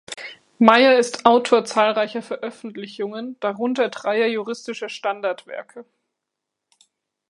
Mayer ist Autor zahlreicher Veröffentlichungen, darunter dreier juristischer Standardwerke.